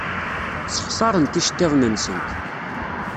Ssexṣarent iceḍḍiḍen-nsent.